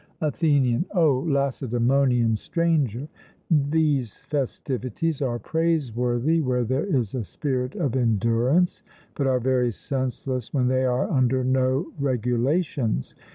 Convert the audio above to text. ATHENIAN: O Lacedaemonian Stranger, these festivities are praiseworthy where there is a spirit of endurance, but are very senseless when they are under no regulations.